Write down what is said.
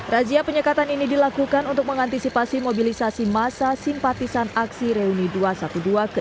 razia penyekatan ini dilakukan untuk mengantisipasi mobilisasi massa simpatisan aksi reuni dua ratus dua belas ke dua